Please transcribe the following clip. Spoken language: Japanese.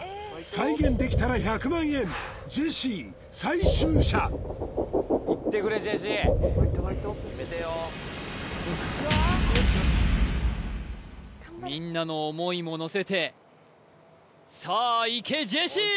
再現できたら１００万円ジェシー最終射みんなの思いものせてさあいけジェシー！